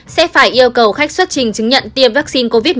sẽ phải yêu cầu khách xuất trình chứng nhận tiêm vaccine covid một mươi chín